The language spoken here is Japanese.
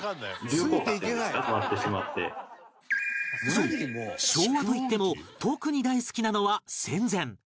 そう昭和といっても特に大好きなのは戦前